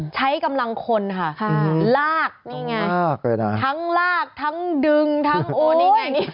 ใช้กำลังคนค่ะลากทั้งลากทั้งดึงทั้งโอ้ย